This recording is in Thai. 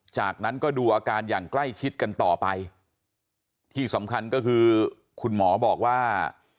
จากนั้นก็ดูอาการอย่างใกล้ชิดกันต่อไปที่สำคัญก็คือคุณหมอบอกว่า